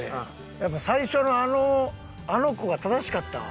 やっぱ最初のあの子が正しかったわ。